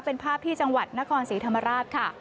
เป็นภาพที่จังหวัดนครศรีธรรมราชค่ะ